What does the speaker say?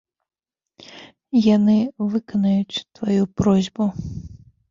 Яны выканаюць тваю просьбу.